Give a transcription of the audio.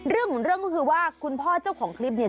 เรื่องของเรื่องก็คือว่าคุณพ่อเจ้าของคลิปเนี่ย